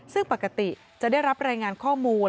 ซึ่งปกติจะได้รับรายงานข้อมูล